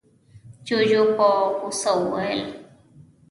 جُوجُو په غوسه وويل: